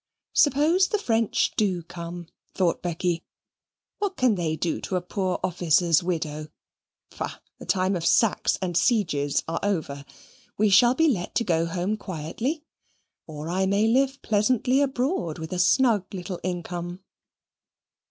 "Suppose the French do come," thought Becky, "what can they do to a poor officer's widow? Bah! the times of sacks and sieges are over. We shall be let to go home quietly, or I may live pleasantly abroad with a snug little income."